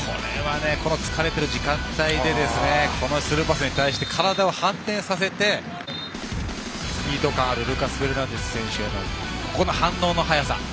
疲れている時間帯でスルーパスに対して体を反転させてスピード感あるルーカス・フェルナンデス選手へここの反応の速さ。